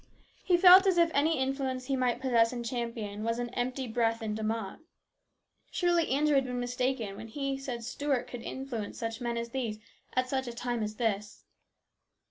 He felt as if any influence he might possess in Champion was an empty breath in De Mott. Surely Andrew had been mistaken when he said Stuart could influence such men as these at such a time as this.